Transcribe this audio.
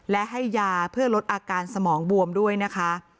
และให้ยาเพื่อลดอาการสมองบวมด้วยนะคะ